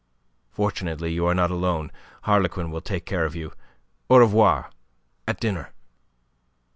"Fortunately you are not alone. Harlequin will take care of you. Au revoir, at dinner."